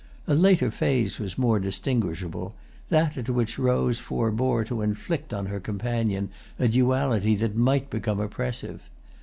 A later phase was more distinguishable—that at which Rose forbore to inflict on her companion a duality that might become oppressive.